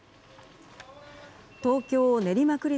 東京・練馬区立